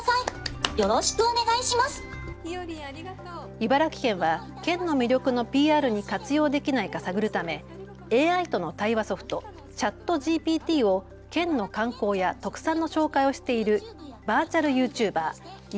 茨城県は県の魅力のＰＲに活用できないか探るためＡＩとの対話ソフト、ＣｈａｔＧＰＴを県の観光や特産の紹介をしているバーチャルユーチューバー、茨